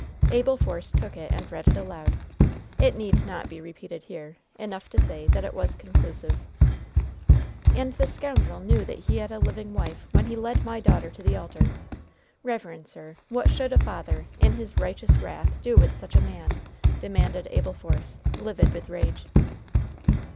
Abel Force took it and read it aloud. It need not be repeated here. Enough to say that it was conclusive. "And the scoundrel knew that he had a living wife, when he led my daughter to the altar! Reverend sir, what should a father, in his righteous wrath, do with such a man?" demanded Abel Force, livid with rage.